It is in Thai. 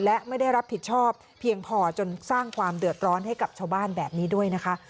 และไม่ได้รับผิดชอบเพียงพอจนสร้างความเดือดร้อนให้กับชาวบ้านแบบนี้ด้วยนะคะ